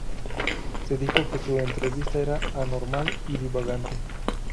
Se dijo que su entrevista era anormal y divagante.